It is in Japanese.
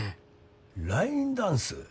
ラインダンス？